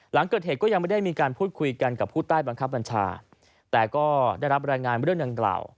หลังเกิดเหตุก็ยังไม่ได้มีการพูดคุยกันกับผู้ใต้บังคับบัญชาแต่ก็ได้รับรายงานเรื่องดังกล่าว